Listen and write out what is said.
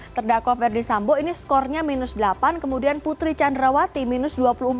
terdakwa ferdi sambo ini skornya minus delapan kemudian putri candrawati minus dua puluh empat